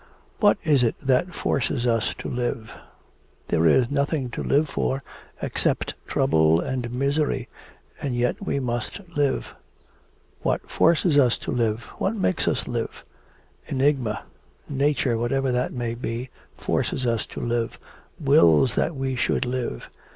What is it that forces us to live? There is nothing to live for except trouble and misery, and yet we must live. What forces us to live? What makes us live? Enigma. Nature, whatever that may be, forces us to live, wills that we should live.